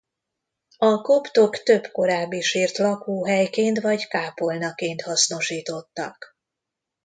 A koptok több korábbi sírt lakóhelyként vagy kápolnaként hasznosítottak.